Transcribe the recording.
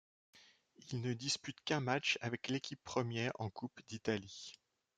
Il ne dispute qu'un match avec l'équipe première en Coupe d'Italie.